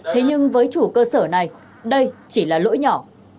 thế nhưng với chủ cơ sở này đây chỉ là lỗi nhỏ